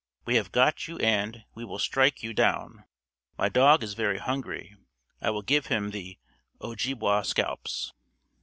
We have got you and We will strike you down. My dog is very hungry, I will give him the Ojibway scalps.